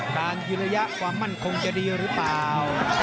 การยืนระยะความมั่นคงจะดีหรือเปล่า